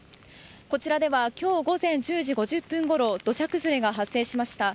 こちらでは今日午前１０時５０分ごろ土砂崩れが発生しました。